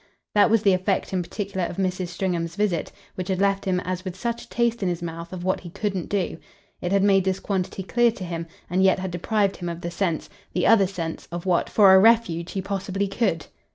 That was the effect in particular of Mrs. Stringham's visit, which had left him as with such a taste in his mouth of what he couldn't do. It had made this quantity clear to him, and yet had deprived him of the sense, the other sense, of what, for a refuge, he possibly COULD.